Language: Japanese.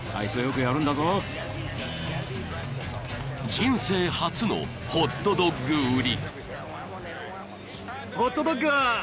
［人生初のホットドッグ売り］